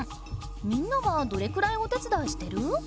みんなはどれくらいお手つだいしてる？